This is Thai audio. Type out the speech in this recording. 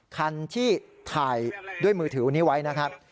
คันที่ถ่ายด้วยมือถือนี้ไว้นะครับ